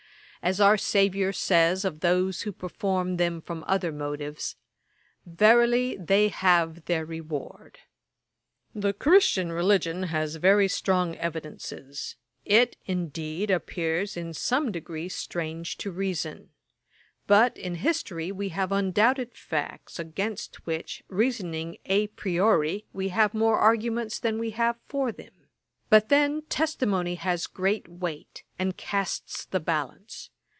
As our Saviour says of those who perform them from other motives, "Verily they have their reward." 'The Christian religion has very strong evidences. It, indeed, appears in some degree strange to reason; but in History we have undoubted facts, against which, reasoning à priori, we have more arguments than we have for them; but then, testimony has great weight, and casts the balance.